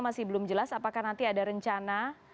masih belum jelas apakah nanti ada rencana